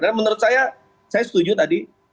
dan menurut saya saya setuju tadi